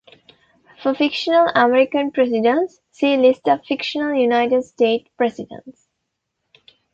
For fictional American presidents, see List of fictional United States Presidents.